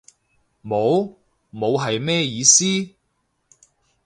冇？冇係咩意思？